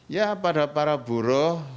ya pada para buruh